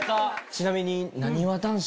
ちなみに。